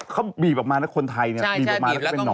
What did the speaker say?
เค้าบีบออกมาแล้วคนไทยเนี่ยบีบออกมาแล้วเป็นนอน